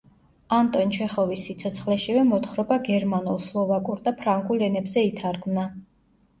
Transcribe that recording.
ანტონ ჩეხოვის სიცოცხლეშივე მოთხრობა გერმანულ, სლოვაკურ და ფრანგულ ენებზე ითარგმნა.